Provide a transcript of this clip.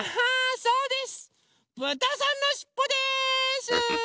そうです！